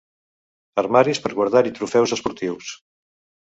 Armaris per a guardar-hi trofeus esportius.